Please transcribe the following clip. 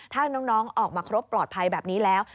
ถ้าน้องออกมาครบปลอดภัยแบบนี้แล้ว